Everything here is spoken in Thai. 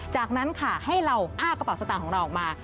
จากนั้นค่ะให้เราอ้ากระเป๋าสตางค์ของเราออกมา